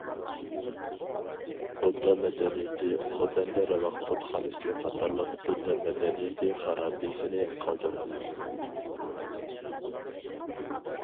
بۇددا مەدەنىيىتى خوتەندە راۋاق بۇتخانىسى قاتارلىق بۇددا مەدەنىيىتى خارابىسىنى قالدۇرغان.